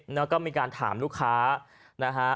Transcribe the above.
แล้วก็มีการถามลูกค้านะฮะ